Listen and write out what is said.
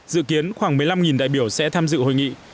dự kiến khoảng một mươi năm đại biểu sẽ tham dự hội nghị